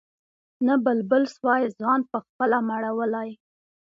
نه بلبل سوای ځان پخپله مړولای